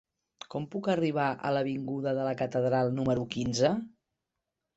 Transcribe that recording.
Com puc arribar a l'avinguda de la Catedral número quinze?